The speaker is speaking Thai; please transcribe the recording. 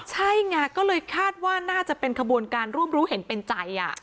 ใช่ไงก็เลยคาดว่าน่าจะเป็นขบวนการร่วมรู้เห็นเป็นใจ